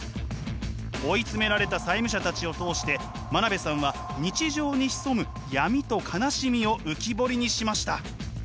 追い詰められた債務者たちを通して真鍋さんは日常に潜む闇と悲しみを浮き彫りにしました！